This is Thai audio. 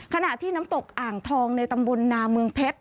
ขณะที่น้ำตกอ่างทองในตำบลนาเมืองเพชร